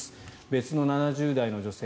別の７０代の女性